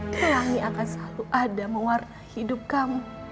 kelangi akan selalu ada mewarna hidup kamu